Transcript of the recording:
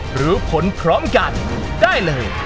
หรือผลพร้อมกันได้เลย